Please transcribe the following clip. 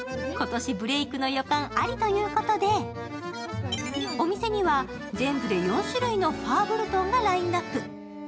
今年ブレークの予感ありということで、お店には全部で４種類のファーブルトンがラインナップ。